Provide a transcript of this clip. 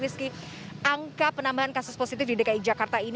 rizky angka penambahan kasus positif di dki jakarta ini